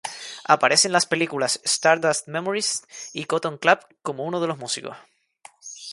Aparece en las películas "Stardust Memories" y "Cotton Club", como uno de los músicos.